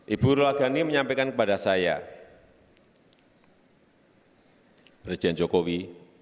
ibu rula ghani menyampaikan kepada saya presiden jokowi